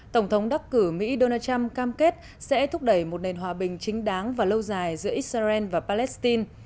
tổng thống đắc cử mỹ donald trump cam kết sẽ thúc đẩy một nền hòa bình chính đáng và lâu dài giữa israel và palestine